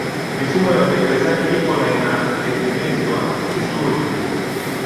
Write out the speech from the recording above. mifumo ya utekelezaji ipo na inategemezwa vizuri